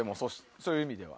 そういう意味では。